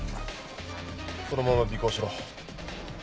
そのまま尾行しろ。